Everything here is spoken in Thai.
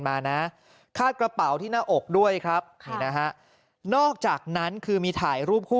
มานะคาดกระเป๋าที่หน้าอกด้วยครับนี่นะฮะนอกจากนั้นคือมีถ่ายรูปคู่